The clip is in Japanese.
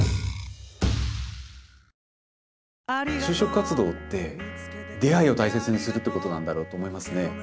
就職活動って出会いを大切にするってことなんだろうと思いますね。